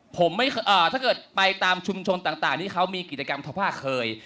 ผมไม่ถ้าเกิดไปตามชุมชนต่างที่เขามีกิจกรรมทภาเคย